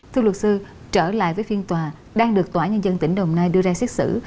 thưa luật sư trở lại với phiên tòa đang được tòa nhân dân tỉnh đồng nai đưa ra xét xử